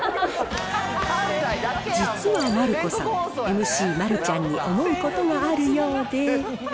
実は丸子さん、ＭＣ、丸ちゃんに思うことがあるようで。